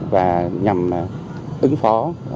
và nhằm ứng phó